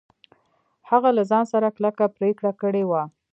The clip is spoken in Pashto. هغه له ځان سره کلکه پرېکړه کړې وه.